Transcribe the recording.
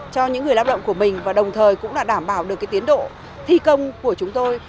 cho những người lao động của mình và đồng thời cũng là đảm bảo được tiến độ thi công của chúng tôi